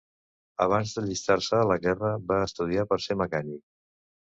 Abans d'allistar-se a la guerra, va estudiar per ser mecànic.